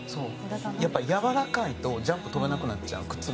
やっぱり柔らかいとジャンプが跳べなくなっちゃう。